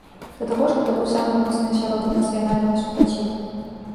Да таго ж гэта быў самы моцны асяродак нацыянальнага супраціву.